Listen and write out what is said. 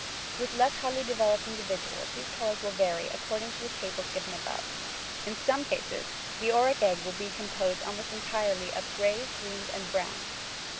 With less highly developed individuals these colours will varj , according to the tables above given. In some cases the auric egg will be composed almost entirely of greys, greens and browns